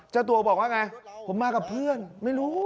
เจ้าตัวบอกว่าไงผมมากับเพื่อนไม่รู้